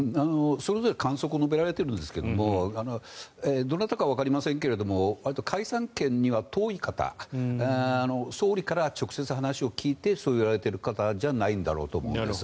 それぞれ観測を述べられていますがどなたかわかりませんが解散権からは遠い方総理からは直接話を聞いてそう言われている方じゃないんだろうと思います。